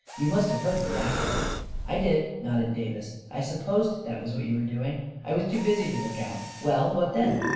You must have heard the racket." "I did," nodded Davis; "I supposed that was what you were doing. I was too busy to look out. Well, what then?"